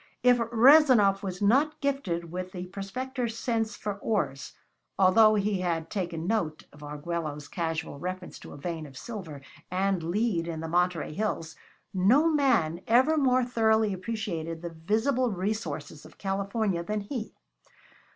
If Rezanov was not gifted with the prospector's sense for ores although he had taken note of Arguello's casual reference to a vein of silver and lead in the Monterey hills no man ever more thoroughly appreciated the visible resources of California than he.